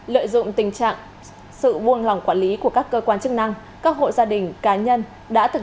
lợi dụng tình trạng sự buông lỏng quản lý của các cơ quan chức năng các hộ gia đình cá nhân đã thực